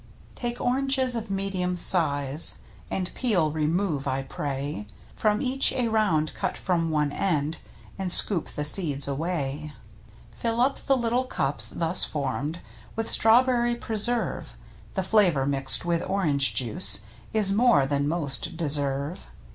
Take oranges of medium size. The peel remove, I pray, From each a round cut from one end, And scoop the seeds away. Fill up the httle cups thus formed With strawberry preserve, The flavor mixed with orange juice Is more than most deserve.